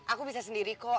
aku bisa sendiri kok